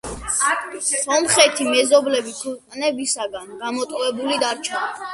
სომხეთი მეზობელი ქვეყნებისაგან განმარტოვებული დარჩა.